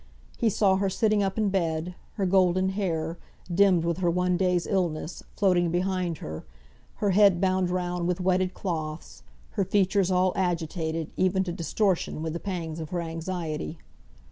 He saw her sitting up in bed, her golden hair, dimmed with her one day's illness, floating behind her, her head bound round with wetted cloths, her features all agitated, even to distortion, with the pangs of her anxiety.